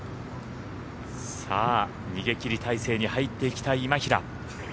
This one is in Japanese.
逃げ切り体勢に入っていきたい今平。